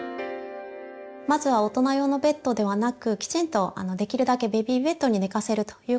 まずは大人用のベッドではなくきちんとできるだけベビーベッドに寝かせるということが大切です。